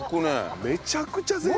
めちゃくちゃ贅沢。